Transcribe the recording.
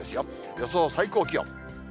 予想最高気温。